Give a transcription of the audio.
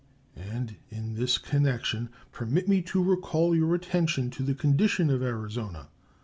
And in this connection permit me to recall your attention to the condition of Arizona.